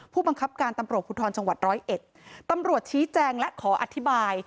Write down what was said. ผู้บังคับการตำรวจภูทรจังหวัดร้อยเอ็ดตำรวจชี้แจงและขออธิบาย